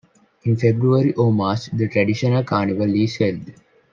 In February or March the traditional carnival is held.